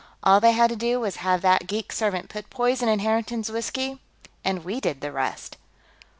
All they had to do was have that geek servant put poison in Harrington's whiskey, and we did the rest."